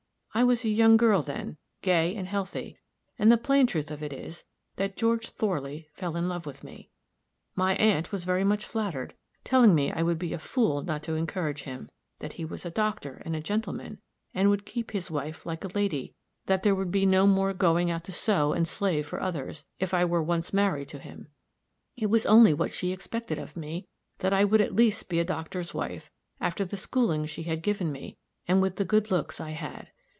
I was a young girl, then, gay and healthy; and the plain truth of it is that George Thorley fell in love with me. My aunt was very much flattered, telling me I would be a fool not to encourage him that he was a doctor and a gentleman and would keep his wife like a lady that there would be no more going out to sew and slave for others, if I were once married to him; it was only what she expected of me, that I would at least be a doctor's wife, after the schooling she had given me, and with the good looks I had.